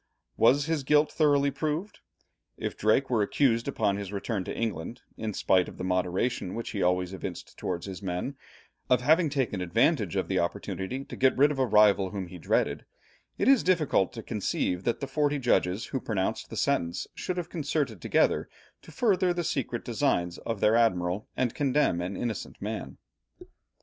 Was his guilt thoroughly proved? If Drake were accused upon his return to England in spite of the moderation which he always evinced towards his men, of having taken advantage of the opportunity to get rid of a rival whom he dreaded, it is difficult to conceive that the forty judges who pronounced the sentence should have concerted together to further the secret designs of their admiral and condemn an innocent man.